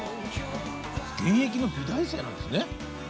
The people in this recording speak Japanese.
現役の美大生なんですね。